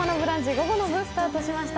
午後の部スタートしました。